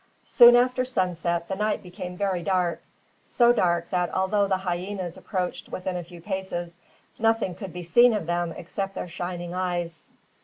Soon after sunset the night became very dark, so dark that although the hyenas approached within a few paces, nothing could be seen of them except their shining eyes.